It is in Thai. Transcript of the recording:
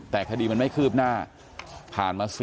แต่คดีมันไม่คืบหน้า